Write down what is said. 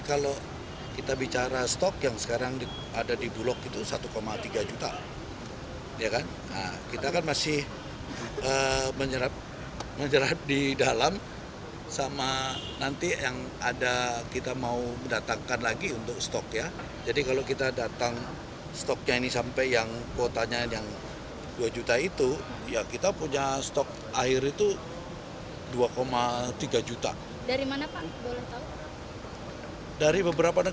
alminyong merupakan fenomena yang membuat curah hujan berkurang serta berdampak pada turunnya produksi pertanian